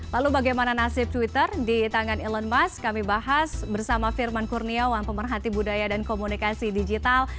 lalu bagaimana nasib twitter di tangan elon musk kami bahas bersama firman kurniawan pemerhati budaya dan komunikasi digital